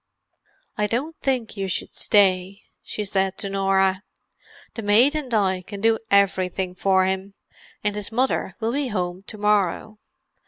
"I don't think you should stay," she said to Norah. "The maid and I can do everything for him—and his mother will be home to morrow.